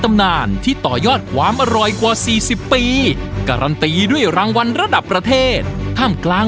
มันเป็นการกินที่มันมากอ่ะ